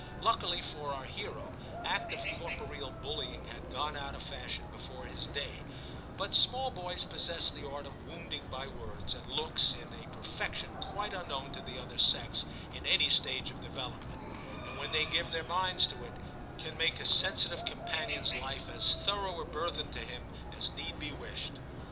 Luckily for our hero, active corporeal bullying had gone out of fashion before his day, but small boys possess the art of wounding by words and looks in a perfection quite unknown to the other sex in any stage of development, and when they give their minds to it can make a sensitive companion's life as thorough a burthen to him as need be wished.